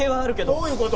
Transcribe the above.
どういう事？